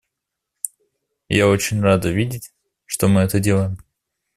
И я очень рада видеть, что мы это делаем.